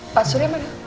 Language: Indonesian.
pak suri apa